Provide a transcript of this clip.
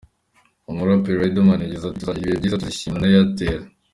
Umuraperi Riderman yagize ati "Tuzagirana ibihe byiza, tuzishimana na Airtel.